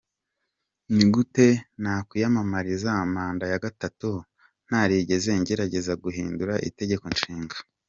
Ni gute nakwiyamamariza manda ya gatatu ntarigeze ngerageza guhindura itegeko nshinga?".